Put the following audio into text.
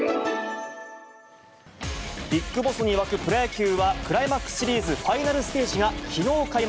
ビッグボスに沸くプロ野球は、クライマックスシリーズファイナルステージがきのう開幕。